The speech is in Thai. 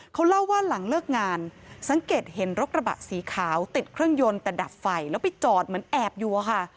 เขาเล่าว่าหลังเลิกงานสังเกตเห็นรถกระบะสีขาวติดเครื่องยนต์แต่ดับไฟแล้วไปจอดเหมือนแอบอยู่อะค่ะ